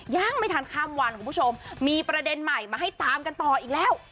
ยังไม่ทันข้ามวันคุณผู้ชมมีประเด็นใหม่มาให้ตามกันต่ออีกแล้ว